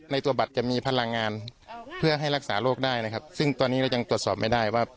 ตัวบัตรจะมีพลังงานเพื่อให้รักษาโรคได้นะครับซึ่งตอนนี้เรายังตรวจสอบไม่ได้ว่า